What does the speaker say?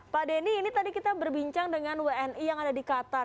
pak denny ini tadi kita berbincang dengan wni yang ada di qatar